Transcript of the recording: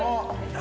何？